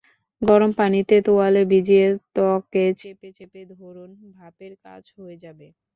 গরম পানিতে তোয়ালে ভিজিয়ে ত্বকে চেপে চেপে ধরুন, ভাপের কাজ হয়ে যাবে।